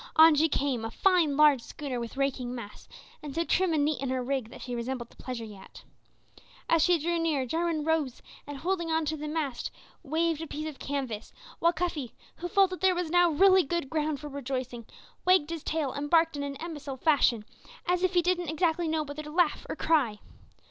On she came; a fine large schooner with raking masts, and so trim and neat in her rig that she resembled a pleasure yacht. As she drew near, Jarwin rose, and holding on to the mast, waved a piece of canvas, while Cuffy, who felt that there was now really good ground for rejoicing, wagged his tail and barked in an imbecile fashion, as if he didn't exactly know whether to laugh or cry.